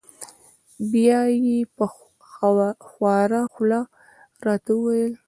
بیا یې په خواره خوله را ته و ویل: